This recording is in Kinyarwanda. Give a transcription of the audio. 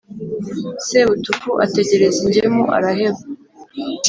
Sebutuku ategereza ingemu araheba.